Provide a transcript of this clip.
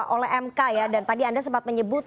oleh mk ya dan tadi anda sempat menyebut